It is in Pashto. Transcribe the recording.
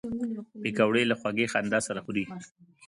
پکورې له خوږې خندا سره خوري